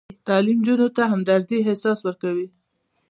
تعلیم نجونو ته د همدردۍ احساس ورکوي.